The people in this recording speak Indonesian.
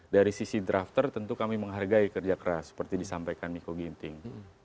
dari sisi drafter tentu kami menghargai kerja keras seperti disampaikan miko ginting